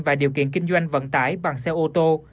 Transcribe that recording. và điều kiện kinh doanh vận tải bằng xe ô tô